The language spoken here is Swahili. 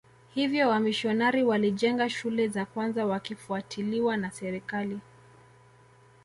Hivyo wamisionari walijenga shule za kwanza wakifuatiliwa na serikali